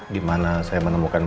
dimana saya menemukan